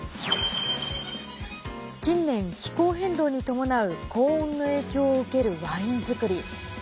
近年、気候変動に伴う高温の影響を受けるワイン造り。